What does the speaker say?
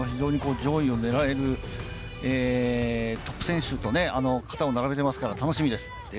上位を狙えるトップ選手と肩を並べていますから、楽しみです。